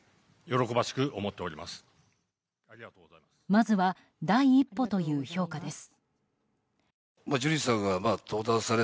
まずは第一歩という評価です。